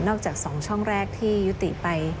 นอกจากสองช่องแรกที่ยุติไป